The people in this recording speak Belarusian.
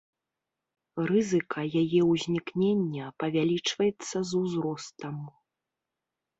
Рызыка яе ўзнікнення павялічваецца з узростам.